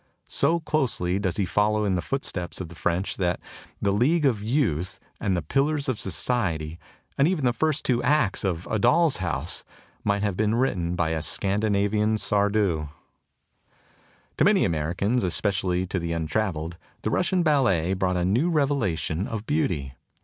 So closely does he follow in the footsteps of the French that the 'League of Youth' and the * Pillars of Society ' and even the first two acts of 'A Doll's House 7 might have been written by a Scandinavian Sardou. To many Americans, especially to the un travelled, the Russian ballet brought a new 14 THE TOCSIN OF REVOLT revelation of beauty.